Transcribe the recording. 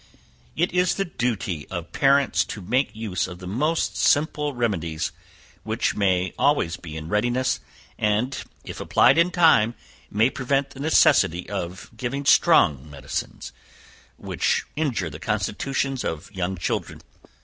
It is the duty of parents to make use of the most simple remedies, which may always be in readiness, and, if applied in time, may prevent the necessity of giving strong medicines, which injure the constitutions of young children.